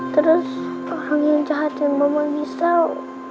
terus orang yang jahatin rumah diesel